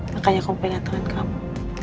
makanya aku pengen ketahuan kamu